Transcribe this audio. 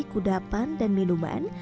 kudapan dan minuman